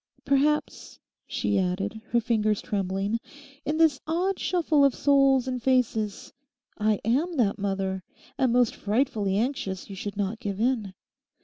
Perhaps,' she added, her fingers trembling, 'in this odd shuffle of souls and faces, I am that mother, and most frightfully anxious you should not give in.